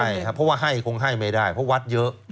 ใช่ครับเพราะว่าให้คงให้ไม่ได้เพราะวัดเยอะ